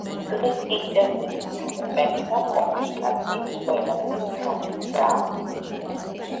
დღეს ინტერნეტის გამოყენება კომუნიკაციის ყველაზე სწრაფი გზაა.